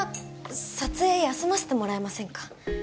撮影休ませてもらえませんか？